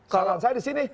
saran saya di sini